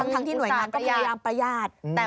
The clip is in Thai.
ทั้งที่หน่วยงานก็พยายามประหยาด